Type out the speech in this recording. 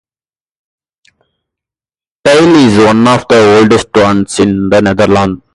Tiel is one of the oldest towns in the Netherlands.